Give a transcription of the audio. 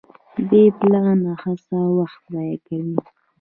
بې پلانه هڅه وخت ضایع کوي.